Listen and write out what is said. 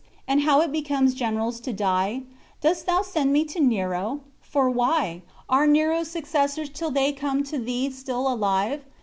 and how it becomes generals to die. Dost thou send me to Nero? For why? Are Nero's successors till they come to thee still alive?